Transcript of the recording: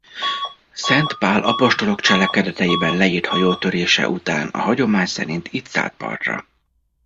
Szent Pál Apostolok cselekedeteiben leírt hajótörése után a hagyomány szerint itt szállt partra.